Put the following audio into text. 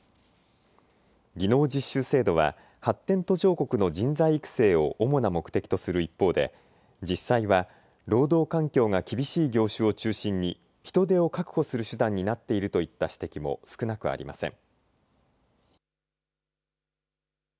技能実習制度は発展途上国の人材育成を主な目的とする一方で実際は労働環境が厳しい業種を中心に人手を確保する手段になっているといった指摘も少なくありません。